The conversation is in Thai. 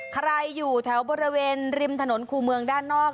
อยู่แถวบริเวณริมถนนคู่เมืองด้านนอก